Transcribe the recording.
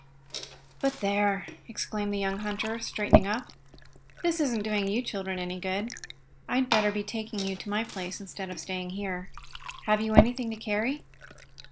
"But there!" exclaimed the young hunter, straightening up. "This isn't doing you children any good. I'd better be taking you to my place instead of staying here. Have you anything to carry?"